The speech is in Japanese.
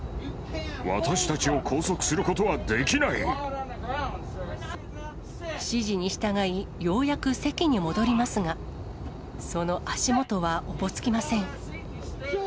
私たちを拘束することはでき指示に従い、ようやく席に戻りますが、その足元はおぼつきません。